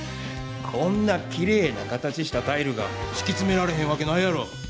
こんなきれいな形したタイルがしきつめられへんわけないやろ！